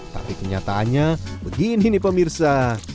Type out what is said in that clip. tapi kenyataannya begini nih pemirsa